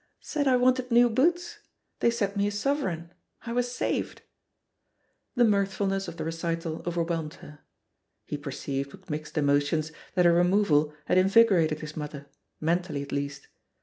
"Said I wanted new boots. They sent me a sovereign — ^I was saved!" The mirthf ulness of the recital overwhelmed her. He perceived, with mixed emotions, that her removal had invigorated his mother, mentally at least.